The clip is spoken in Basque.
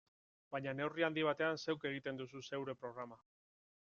Baina neurri handi batean, zeuk egiten duzu zeure programa.